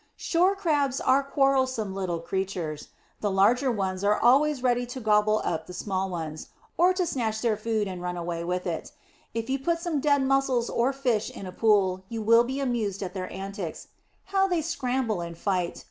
Shore Crabs are quarrelsome little creatures; the larger ones are always ready to gobble up the smaller ones, or to snatch their food and run away with it. If you put some dead mussels or fish in a pool, you will be amused at their antics. How they scramble and fight!